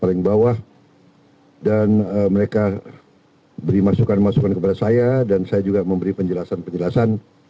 paling bawah dan mereka beri masukan masukan kepada saya dan saya juga memberi penjelasan penjelasan